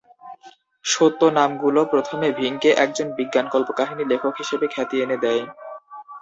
সত্য নামগুলো প্রথমে ভিংকে একজন বিজ্ঞান কল্পকাহিনী লেখক হিসেবে খ্যাতি এনে দেয়।